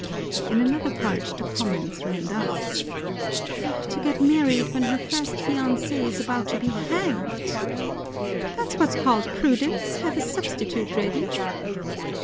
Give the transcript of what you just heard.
In another part the comments ran thus: "To get married when her first fiancé is about to be hanged!" "That's what's called prudence, having a substitute ready."